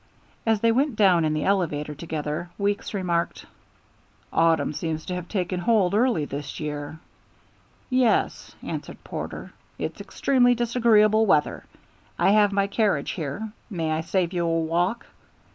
As they went down in the elevator together, Weeks remarked, "Autumn seems to have taken hold early this year." "Yes," answered Porter, "it's extremely disagreeable weather. I have my carriage here. May I save you a walk?"